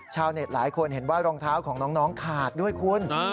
ชาวเน็ตหลายคนเห็นว่ารองเท้าของน้องขาดด้วยคุณ